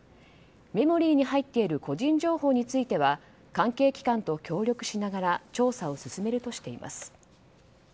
メモリーに入っている個人情報については関係機関と協力しながら調査を進めるとしています。